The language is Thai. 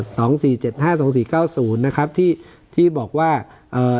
สองสี่เจ็ดห้าสองสี่เก้าศูนย์นะครับที่ที่บอกว่าเอ่อ